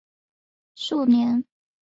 之后数年鲜有作品。